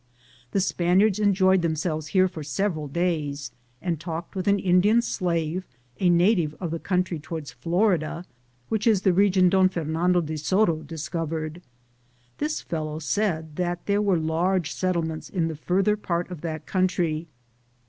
The Spaniards enjoyed themselves here for several days and talked with an Indian slave, a native of the country toward Florida, which is the region Don Fernando de Soto discov ered. This fellow said that there were large settlements in the farther part of that coun try.